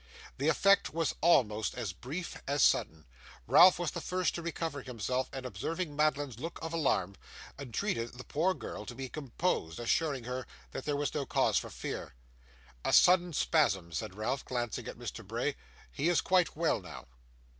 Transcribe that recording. The effect was almost as brief as sudden. Ralph was the first to recover himself, and observing Madeline's looks of alarm, entreated the poor girl to be composed, assuring her that there was no cause for fear. 'A sudden spasm,' said Ralph, glancing at Mr. Bray. 'He is quite well now.